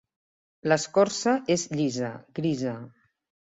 L'escorça és llisa, grisa.